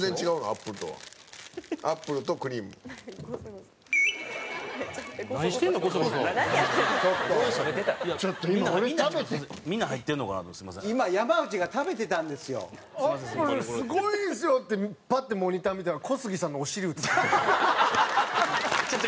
「アップルすごいんですよ！」ってパッてモニター見たら小杉さんのお尻映っ